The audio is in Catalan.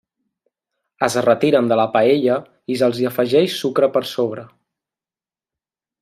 Es retiren de la paella i se'ls hi afegeix sucre per sobre.